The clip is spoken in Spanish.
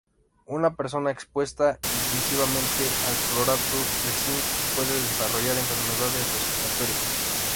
Una persona expuesta intensivamente al clorato de cinc puede desarrollar enfermedades respiratorias.